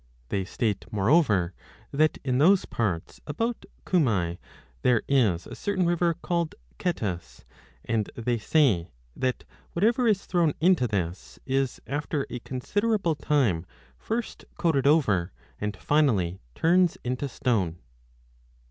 They state moreover that in those parts about Cumae there is a certain river called Cetus, 3 and they say that whatever is thrown into this is after a con siderable time first coated over, and finally turns into stone.